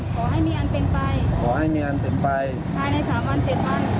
ขอให้มีอันเป็นไปขอให้มีอันเป็นไปภายในสามวันเจ็ดวัน